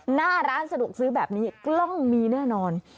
หน้าร้านสะดวกซื้อแบบนี้กล้องมีแน่นอน